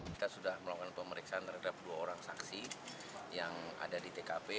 kita sudah melakukan pemeriksaan terhadap dua orang saksi yang ada di tkp